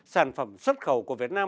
sản phẩm xuất khẩu của việt nam